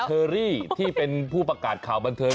เชอรี่ที่เป็นผู้ประกาศข่าวบันเทิง